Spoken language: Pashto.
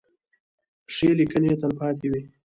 ښې لیکنې تلپاتې وي.